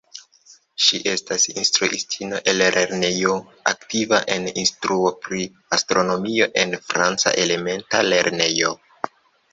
Ŝi estas instruistino en lernejo, aktiva en instruo pri astronomio en franca elementa lernejo.